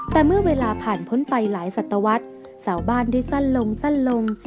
แต่เมื่อเวลาผ่านพ้นไปหลายสัตวรรษสาวบ้านได้สั้นลงสั้นลง